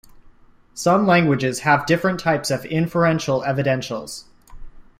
Some languages have different types of inferential evidentials.